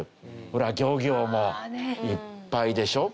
ほら漁業もいっぱいでしょ。